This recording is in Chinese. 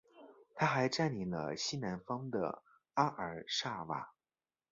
他还占领了西南方的阿尔萨瓦。